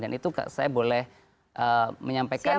dan itu saya boleh menyampaikan dengan